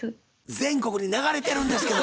全国に流れてるんですけど。